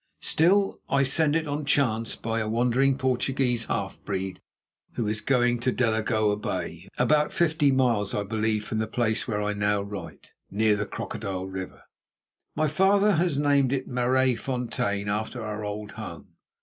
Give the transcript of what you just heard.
Still, I send it on chance by a wandering Portuguese half breed who is going to Delagoa Bay, about fifty miles, I believe, from the place where I now write, near the Crocodile River. My father has named it Maraisfontein, after our old home.